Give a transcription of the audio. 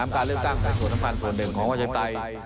การเลือกตั้งเป็นส่วนสำคัญส่วนหนึ่งของประชาธิปไตย